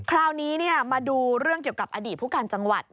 คราวนี้มาดูเรื่องเกี่ยวกับอดีตผู้การจังหวัด